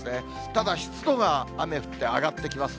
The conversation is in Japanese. ただ湿度が、雨降って上がってきます。